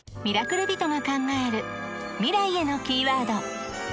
［『ミラクルビト』が考える未来へのキーワード］